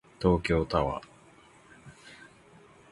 東京タワー